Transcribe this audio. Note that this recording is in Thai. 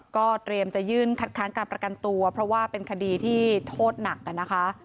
ก็เตรียมจะยื่นคัดค้างการประกันตัวเพราะว่าเป็นคดีที่โทษหนักนะคะ